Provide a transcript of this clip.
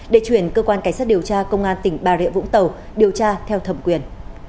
để chuyển cơ quan cảnh sát điều tra công an tỉnh bà rịa vũng tàu điều tra theo thẩm quyền